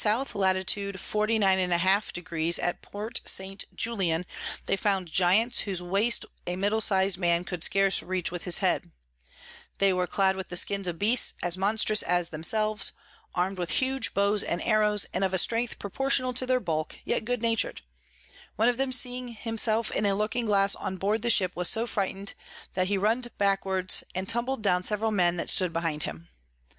Lat. 49 1/2. at Port St. Julian, they found Giants whose Waste a middle siz'd Man could scarce reach with his Head: they were clad with the Skins of Beasts as monstrous as themselves, arm'd with huge Bows and Arrows, and of a Strength proportionable to their Bulk, yet good natur'd: One of them seeing himself in a Looking Glass on board the Ship, was so frighten'd that he run backward, and tumbled down several Men that stood behind him.